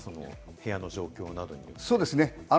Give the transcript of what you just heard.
部屋の状況などで。